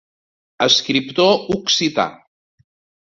Escriptor occità.